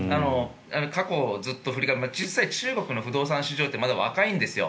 過去ずっと振り返ると実際中国の不動産市場ってまだ若いんですよ。